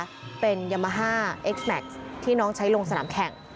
ที่น้องยามาฮ่าเอ็กซ์แม็กซ์ที่น้องใช้ลงสนามแข่ง